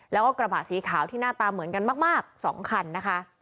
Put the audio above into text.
แล้วก็กระบะสีขาวที่หน้าตาเหมือนกันมาก๒คันนะคะ